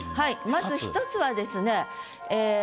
まず１つはですねええ